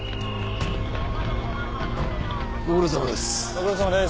ご苦労さまです